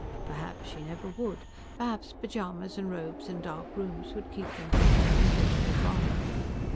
Perhaps she never would. Perhaps pajamas and robes and dark rooms would keep them from her until they were gone.